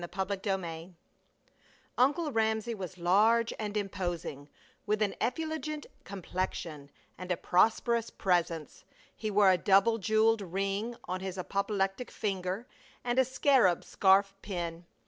CHAPTER XXII Uncle Ramsey was large and imposing, with an effulgent complexion and a prosperous presence. He wore a double jeweled ring on his apoplectic finger, and a scarab scarf pin.